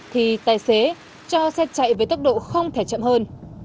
thì tài xế cho xe chạy với tốc độ không thể chậm hơn